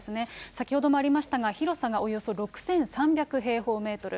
先ほどもありましたが、広さがおよそ６３００平方メートル。